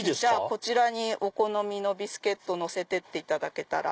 こちらにお好みのビスケットのせてっていただけたら。